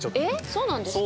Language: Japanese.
そうなんですか？